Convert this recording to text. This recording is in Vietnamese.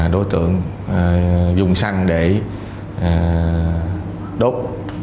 đối tượng dùng xăng để đốt